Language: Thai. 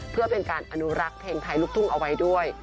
เพื่อเป็นการอนุรักษ์เพลงไทยลูกทุ่งเอาไว้ด้วย